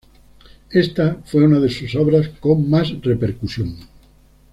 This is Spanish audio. Esta fue una de sus obras con más repercusión.